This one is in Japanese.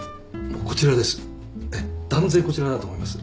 こちらです。